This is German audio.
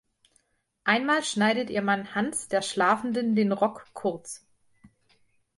Einmal schneidet ihr Mann Hans der Schlafenden den Rock kurz.